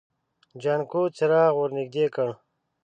جانکو څراغ ور نږدې کړ.